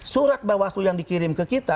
surat mbak waslu yang dikirim ke kita